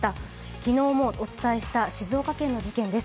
昨日もお伝えした静岡県の事件です。